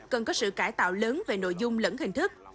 cần có sự cải tạo lớn về nội dung lẫn hình thức